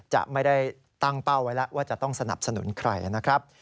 จะไม่ได้ตั้งเป้าไว้แล้วว่าจะต้องสนับสนุนใครนะครับ